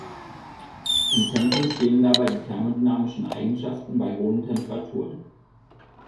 Im Zentrum stehen dabei die thermodynamischen Eigenschaften bei hohen Temperaturen.